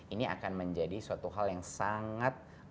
ini akan menjadi suatu hal yang sangat